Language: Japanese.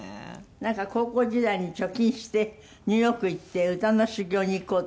なんか高校時代に貯金してニューヨーク行って歌の修業に行こうと？